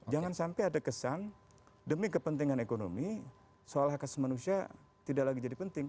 jangan sampai ada kesan demi kepentingan ekonomi soal hak asasi manusia tidak lagi jadi penting